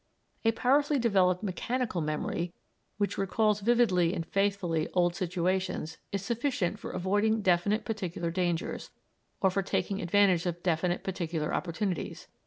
A powerfully developed mechanical memory, which recalls vividly and faithfully old situations, is sufficient for avoiding definite particular dangers, or for taking advantage of definite particular opportunities.